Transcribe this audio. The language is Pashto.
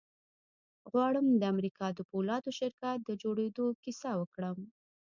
غواړم د امريکا د پولادو شرکت د جوړېدو کيسه وکړم.